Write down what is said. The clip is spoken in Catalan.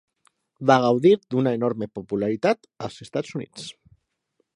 Va gaudir d'una enorme popularitat als Estats Units.